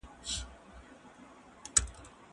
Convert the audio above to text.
سپينکۍ د مور له خوا مينځل کيږي.